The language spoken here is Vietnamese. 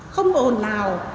không ồn nào